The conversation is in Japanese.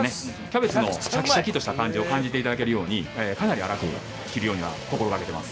キャベツのシャキシャキッとした感じを感じて頂けるようにかなり粗く切るようには心がけてます。